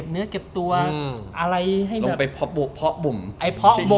เอามี้อ